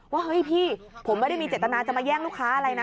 เฮ้ยพี่ผมไม่ได้มีเจตนาจะมาแย่งลูกค้าอะไรนะ